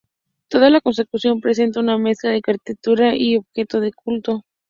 Toda la construcción presenta una mezcla de arquitectura y objeto de culto.